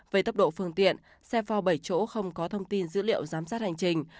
về tốc độ phương tiện xe pho bảy chỗ không có thông tin dữ liệu giám sát hành trình